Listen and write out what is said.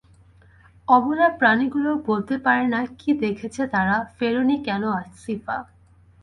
অবলা প্রাণীগুলো বলতে পারে না কী দেখেছে তারা, ফেরেনি কেন আসিফা?